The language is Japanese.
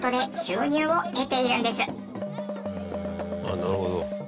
あっなるほど。